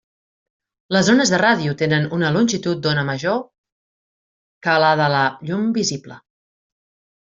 Les ones de ràdio tenen una longitud d'ona major que la de la llum visible.